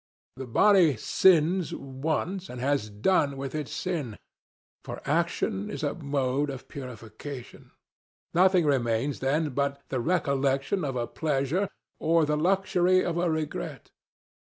The body sins once, and has done with its sin, for action is a mode of purification. Nothing remains then but the recollection of a pleasure, or the luxury of a regret.